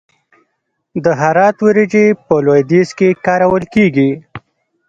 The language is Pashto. د هرات وریجې په لویدیځ کې کارول کیږي.